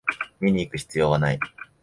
見にいく必要はない